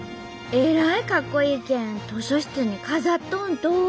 えらいかっこいいけん図書室に飾っとんと！